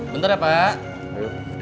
bentar ya pak